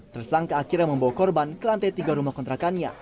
tersangka akhirnya membawa korban ke lantai tiga rumah kontrakannya